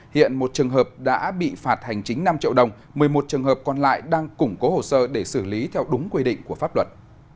hiện một trường hợp đã bị phạt hành chính năm triệu đồng một mươi một trường hợp còn lại đang củng cố hồ sơ để xử lý theo đúng quy định của pháp luật